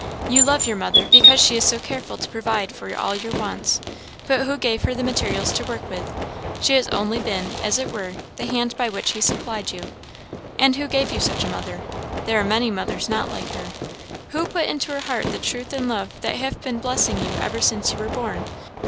You love your mother, because she is so careful to provide for all your wants; but who gave her the materials to work with? She has only been, as it were, the hand by which he supplied you. And who gave you such a mother? There are many mothers not like her; who put into her heart the truth and love that have been blessing you ever since you were born?